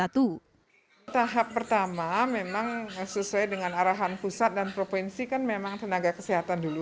tahap pertama memang sesuai dengan arahan pusat dan provinsi kan memang tenaga kesehatan dulu